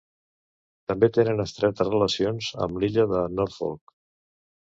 També tenen estretes relacions amb l'illa de Norfolk.